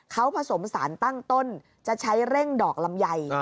เขาผสมสารตั้งต้นจะใช้เร่งดอกลำไย